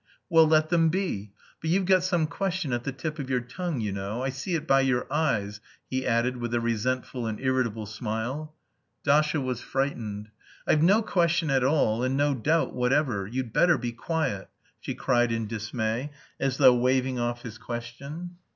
"Well, let them be. But you've got some question at the tip of your tongue, you know. I see it by your eyes," he added with a resentful and irritable smile. Dasha was frightened. "I've no question at all, and no doubt whatever; you'd better be quiet!" she cried in dismay, as though waving off his question.